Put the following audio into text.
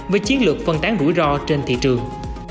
với chiến lược phân tán rủi ro trên thị trường